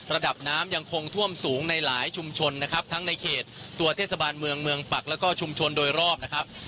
ระดับน้ำยังคงท่วมสูงในหลายชุมชนนะครับทั้งในเขตตัวเทศบาลเมืองเมืองปักแล้วก็ชุมชนโดยรอบนะครับ